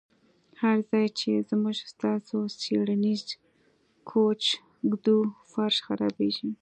هر ځای چې موږ ستاسو څیړنیز کوچ ږدو فرش خرابیږي